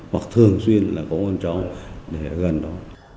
hoặc thường xuyên là có con cháu gần đó